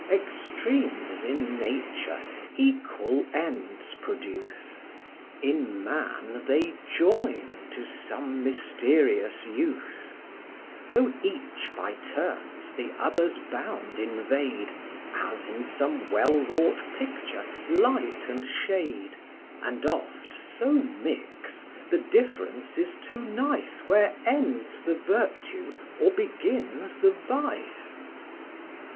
Extremes in nature equal ends produce, In man they join to some mysterious use; Though each by turns the other's bound invade, As, in some well wrought picture, light and shade, And oft so mix, the difference is too nice Where ends the virtue or begins the vice.